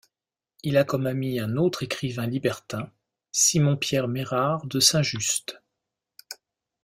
Il a comme ami un autre écrivain libertin, Simon-Pierre Mérard de Saint-Just.